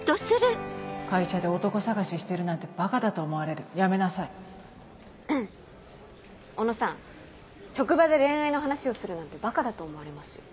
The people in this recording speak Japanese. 会社で男探ししてるなんてばかだと思われ小野さん職場で恋愛の話をするなんてばかだと思われますよ。